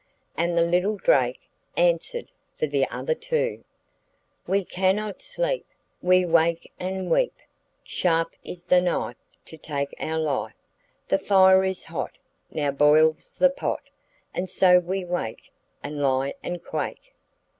And the little drake answered for the other two: 'We cannot sleep, we wake and weep, Sharp is the knife, to take our life; The fire is hot, now boils the pot, And so we wake, and lie and quake.